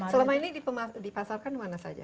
selama ini dipasarkan mana saja